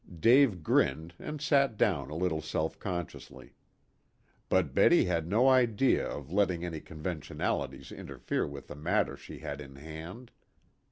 Dave grinned and sat down a little self consciously. But Betty had no idea of letting any conventionalities interfere with the matter she had in hand.